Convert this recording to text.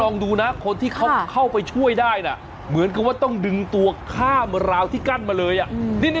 ลองดูนะคนที่เขาเข้าไปช่วยได้นะเหมือนกับว่าต้องดึงตัวข้ามราวที่กั้นมาเลย